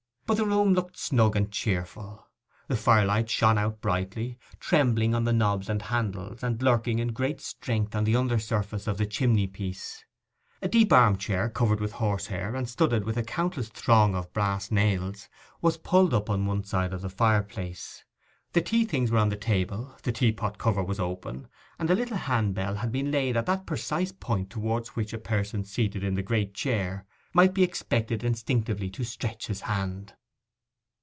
But the room looked snug and cheerful. The firelight shone out brightly, trembling on the knobs and handles, and lurking in great strength on the under surface of the chimney piece. A deep arm chair, covered with horsehair, and studded with a countless throng of brass nails, was pulled up on one side of the fireplace. The tea things were on the table, the teapot cover was open, and a little hand bell had been laid at that precise point towards which a person seated in the great chair might be expected instinctively to stretch his hand.